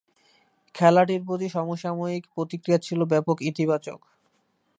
খেলাটির প্রতি সমসাময়িক প্রতিক্রিয়া ছিল ব্যাপক ইতিবাচক।